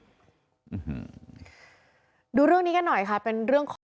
อืมดูเรื่องนี้กันหน่อยค่ะเป็นเรื่องของ